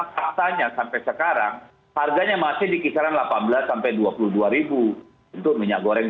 faktanya sampai sekarang harganya masih di kisaran delapan belas sampai rp dua puluh dua untuk minyak goreng